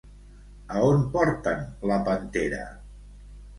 A on porten la pantera?